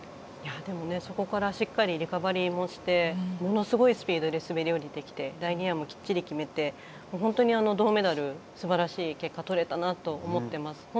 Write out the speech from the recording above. でも、そこからしっかりリカバリーもしてものすごいスピードで滑りおりてきて第２エアもきっちり決めて本当に銅メダルすばらしい結果が取れたなと思ってます。